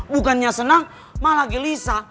bukannya senang malah gelisah